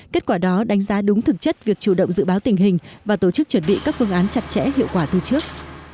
kết quả đó đánh giá đúng thực chất việc chủ động dự báo tình hình và tổ chức chuẩn bị các phương án chặt chẽ hiệu quả từ trước